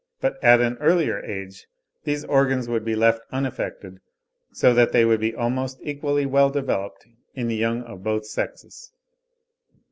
But at an earlier age these organs would be left unaffected, so that they would be almost equally well developed in the young of both sexes.